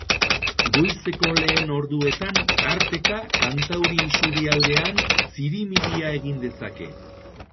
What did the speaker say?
Goizeko lehen orduetan tarteka kantauri isurialdean zirimiria egin dezake.